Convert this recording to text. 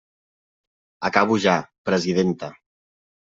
Acabo ja, presidenta.